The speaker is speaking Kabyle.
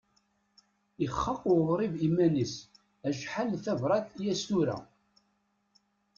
Ixaq uɣrib iman-is, acḥal d tabrat i as-tura.